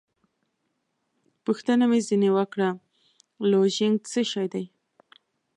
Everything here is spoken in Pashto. پوښتنه مې ځینې وکړه: لوژینګ څه شی دی؟